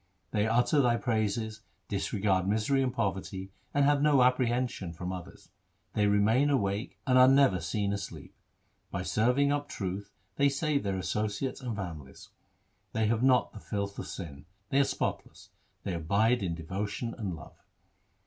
They utter Thy praises, disregard misery and poverty, and have no apprehension from others. They remain awake and are never seen asleep. By serving up truth they save their associates and families. They have not the filth of sin ; they are spotless ; they abide in devotion and love.